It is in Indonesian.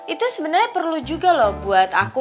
itu sebenarnya perlu juga loh buat aku